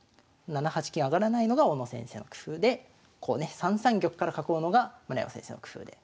７八金上がらないのが小野先生の工夫でこうね３三玉から囲うのが村山先生の工夫で。